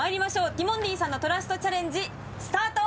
ティモンディさんの「トラストチャレンジ」スタート！